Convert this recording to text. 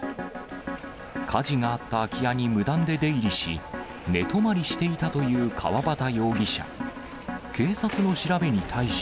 火事があった空き家に無断で出入りし、寝泊まりしていたという川端容疑者。